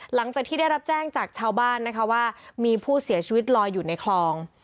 หลังจากที่ได้รับแจ้งจากชาวบ้านนะคะว่ามีผู้เสียชีวิตลอยอยู่ในคลอง